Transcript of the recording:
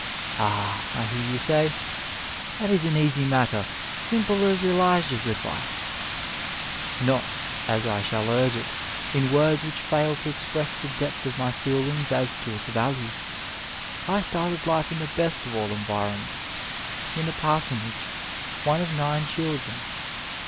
u Ah," I hear you say, "that is an easy matter, simple as Elisha s advice!" Not as I shall urge it, in words which fail to ex press the depth of my feelings as to its value. I started life in the best of all environments in a parsonage, one of nine children.